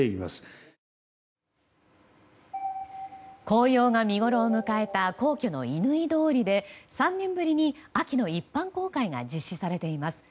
紅葉が見ごろを迎えた皇居の乾通りで３年ぶりに秋の一般公開が実施されています。